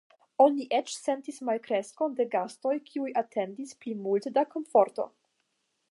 Oni eĉ sentis malkreskon de gastoj kiuj atendis pli multe da komforto.